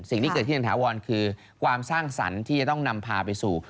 สิ่งที่เกิดขึ้นอย่างถาวรคือความสร้างสรรค์ที่จะต้องนำพาไปสู่